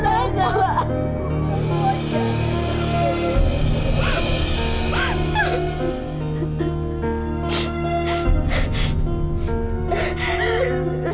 kamu jangan lakukan apa apa an